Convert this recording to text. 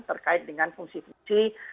terkait dengan fungsi fungsi